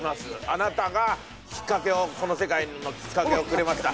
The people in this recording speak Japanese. あなたがきっかけをこの世界のきっかけをくれました」。